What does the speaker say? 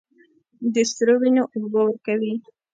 د سرو، وینو اوبه ورکوي